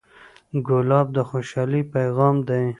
ګلاب د خوشحالۍ پیغام دی.